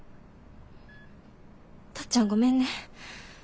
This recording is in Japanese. タッちゃんごめんね。